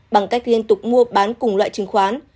bằng cách liên tục mua bán cùng loại chứng khoán